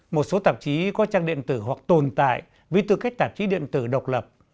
một số tạp chí có trang điện tử hoặc tồn tại với tư cách tạp chí điện tử độc lập